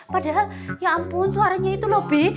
padahal ya ampun suaranya itu loh bi